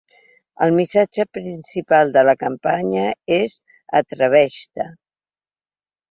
El missatge principal de la campanya és “Atreveix-te”.